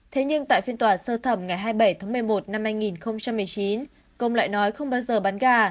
thế nhưng tại phiên tòa sơ thẩm ngày hai mươi bảy tháng một mươi một năm hai nghìn một mươi chín công lại nói không bao giờ bán gà